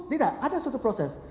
tidak ada suatu proses